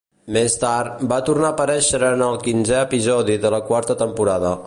Més tard, va tornar a aparèixer en el quinzè episodi de la quarta temporada.